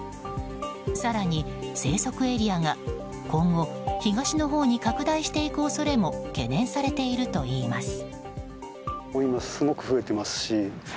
更に生息エリアが今後東のほうに拡大していく恐れも懸念されているといいます。